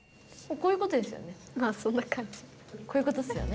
こういうことっすよね。